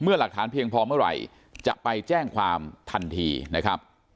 หลักฐานเพียงพอเมื่อไหร่จะไปแจ้งความทันทีนะครับ